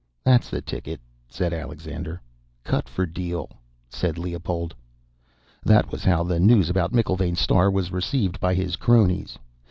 "That's the ticket," said Alexander. "Cut for deal," said Leopold. That was how the news about McIlvaine's Star was received by his cronies.